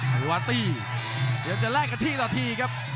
อภิวัตหนียังจะรากับทีต่อทีครับ